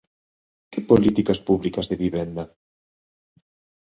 Que políticas públicas de vivenda?